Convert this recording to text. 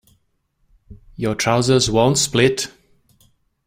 Your trousers won't split.